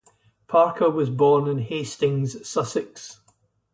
Parker was born in Hastings, Sussex.